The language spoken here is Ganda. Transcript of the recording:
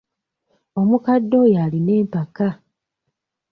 Omukadde oyo alina empaka.